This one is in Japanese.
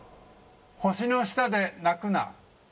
「星の下で泣くな」